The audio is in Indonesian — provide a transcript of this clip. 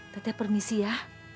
tete permisi ya